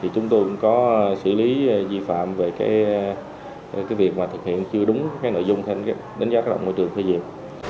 chúng tôi cũng có xử lý vi phạm về việc thực hiện chưa đúng nội dung đánh giá tác động môi trường phê diệt